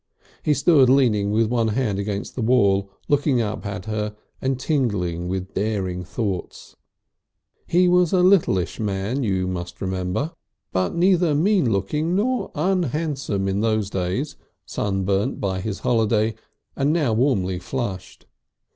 He stood leaning with one hand against the wall, looking up at her and tingling with daring thoughts. He was a littleish man, you must remember, but neither mean looking nor unhandsome in those days, sunburnt by his holiday and now warmly flushed.